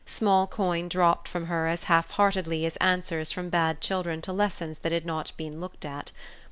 Small coin dropped from her as half heartedly as answers from bad children to lessons that had not been looked at.